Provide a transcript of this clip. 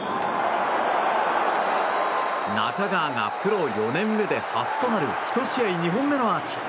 中川がプロ４年目で初となる１試合２本目のアーチ。